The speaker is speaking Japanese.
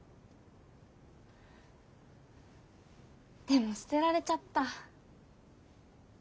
でも捨てられちゃった。